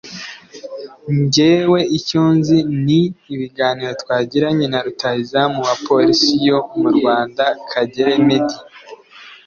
“Njyewe icyo nzi ni ibiganiro twagiranye na rutahizamu wa Police yo mu Rwanda Kagere Meddie